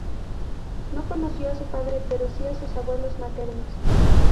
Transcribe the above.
No conoció a su padre, pero sí a sus abuelos maternos.